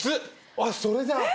あっそれだ！